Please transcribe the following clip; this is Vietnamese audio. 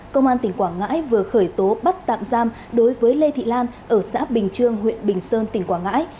công an tỉnh quảng ngãi vừa khởi tố bắt tạm giam đối với lê thị lan ở xã bình trương huyện bình sơn tỉnh quảng ngãi